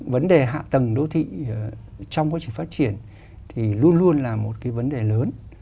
vấn đề hạ tầng đô thị trong quá trình phát triển thì luôn luôn là một cái vấn đề lớn